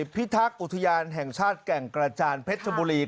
พิทักษ์อุทยานแห่งชาติแก่งกระจานเพชรชบุรี